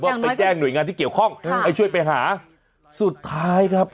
ไปแจ้งหน่วยงานที่เกี่ยวข้องให้ช่วยไปหาสุดท้ายครับ